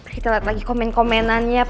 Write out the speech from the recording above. kita lihat lagi komen komenannya